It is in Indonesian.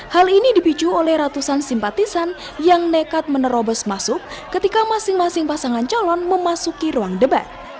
hal ini dipicu oleh ratusan simpatisan yang nekat menerobos masuk ketika masing masing pasangan calon memasuki ruang debat